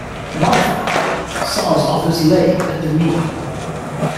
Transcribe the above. Martha saws off his leg at the knee.